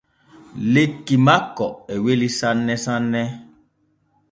Lekki makko e weli sanne sanne.